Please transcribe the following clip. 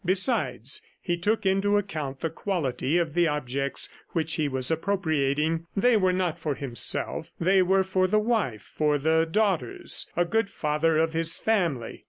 Besides, he took into account the quality of the objects which he was appropriating. They were not for himself; they were for the wife, for the daughters. ... A good father of his family!